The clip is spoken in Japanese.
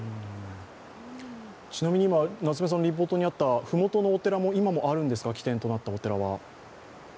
ちなみに今、夏目さんのリポートにあった麓のお寺は今もあるんですか起点となったお寺は。